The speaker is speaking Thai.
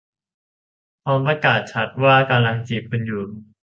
พร้อมประกาศชัดว่ากำลังจีบคุณอยู่